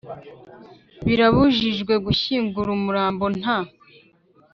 Birabujijwe gushyingura umurambo nta